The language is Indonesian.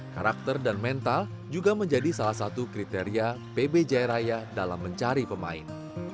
karakter dan mental juga menjadi salah satu kriteria pb jaya raya dalam mencari pemain